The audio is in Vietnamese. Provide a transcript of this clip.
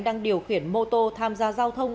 đang điều khiển mô tô tham gia giao thông